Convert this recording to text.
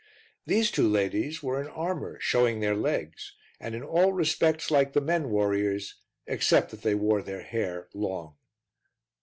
These two ladies were in armour, showing their legs, and in all respects like the men warriors, except that they wore their hair long.